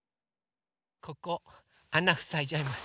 ここあなふさいじゃいます。